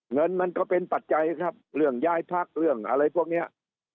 เงินมันก็เป็นปัจจัยครับเรื่องย้ายพักเรื่องอะไรพวกนี้